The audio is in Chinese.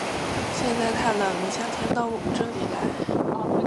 现在太冷，你夏天到我们这里来。